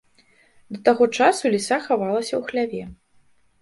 Да таго часу ліса хавалася ў хляве.